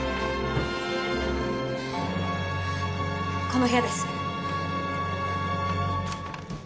この部屋です。